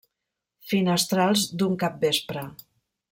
Finestrals d'un capvespre.